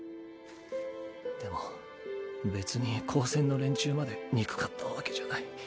でも別に高専の連中まで憎かったわけじゃない。